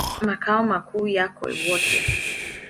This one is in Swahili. Makao makuu yako Wote.